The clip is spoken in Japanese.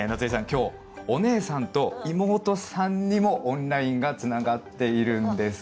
今日お姉さんと妹さんにもオンラインがつながっているんです。